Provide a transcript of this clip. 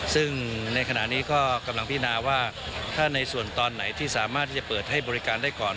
ซึ่งในขณะนี้ก็กำลังพินาว่าถ้าในส่วนตอนไหนที่สามารถที่จะเปิดให้บริการได้ก่อน